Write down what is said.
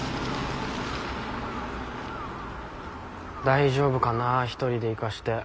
大丈夫かな１人で行かせて。